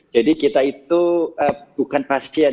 jadi kita itu bukan pasien